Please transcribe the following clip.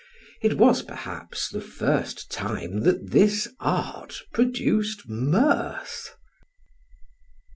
It was, perhaps, the first time that this art produced mirth.